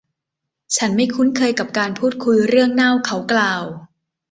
'ฉันไม่คุ้นเคยกับการพูดคุยเรื่องเน่า' เขากล่าว